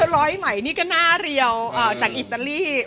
ร้อยใหม่นี่ก็หน้าเรียวจากอิตาลี